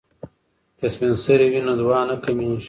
که سپین سرې وي نو دعا نه کمیږي.